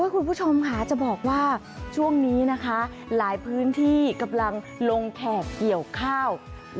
คุณผู้ชมค่ะจะบอกว่าช่วงนี้นะคะหลายพื้นที่กำลังลงแขกเกี่ยวข้าว